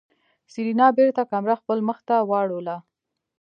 سېرېنا بېرته کمره خپل مخ ته واړوله.